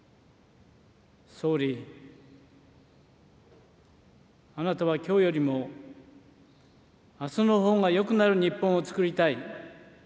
総理、あなたはきょうよりもあすのほうがよくなる日本をつくりたい。